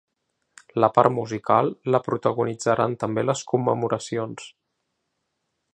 La part musical la protagonitzaran també les commemoracions.